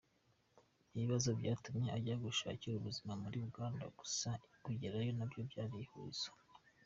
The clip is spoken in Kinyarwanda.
Ibibazo byatumye ajya gushakira ubuzima muri Uganda, gusa kugerayo nabyo byari ihurizo.